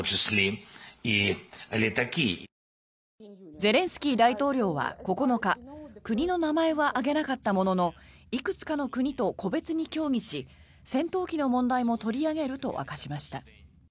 ゼレンスキー大統領は９日国の名前は挙げなかったもののいくつかの国と個別に協議し戦闘機の問題も取り上げると明かしました。